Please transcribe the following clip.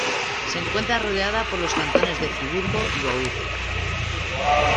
Se encuentra rodeada por los cantones de Friburgo y Vaud.